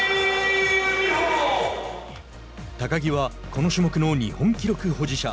高木は、この種目の日本記録保持者。